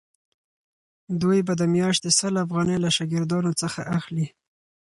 دوی به د میاشتې سل افغانۍ له شاګردانو څخه اخلي.